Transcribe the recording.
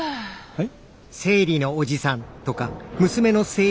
はい？